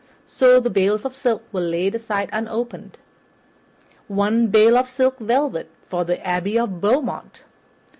So the bales of silk were laid aside unopened. "One bale of silk velvet for the Abbey of Beaumont."